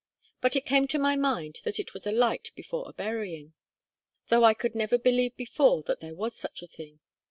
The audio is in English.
But it came to my mind that it was a light before a burying, though I never could believe before that there was such a thing.